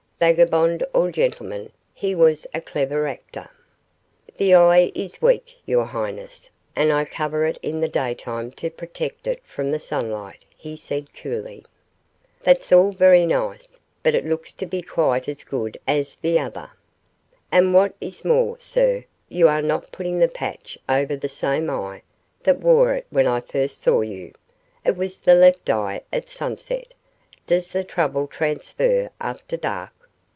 Vagabond or gentleman, he was a clever actor. "The eye is weak, your highness, and I cover it in the daytime to protect it from the sunlight," he said, coolly. "That's all very nice, but it looks to be quite as good as the other. And what is more, sir, you are not putting the patch over the same eye that wore it when I first saw you. It was the left eye at sunset. Does the trouble transfer after dark?"